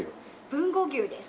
豊後牛です。